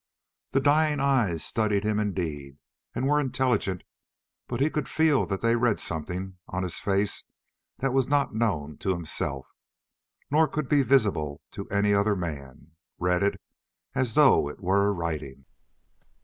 The dying eyes studied him indeed and were intelligent, but he could feel that they read something on his face that was not known to himself, nor could be visible to any other man—read it as though it were a writing.